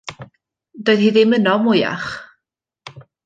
Doedd hi ddim yno mwyach.